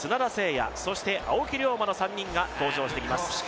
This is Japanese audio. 弥、そして青木涼真の３人が登場してきます。